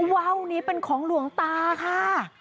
ว่าวนี้เป็นของหลวงตาค่ะ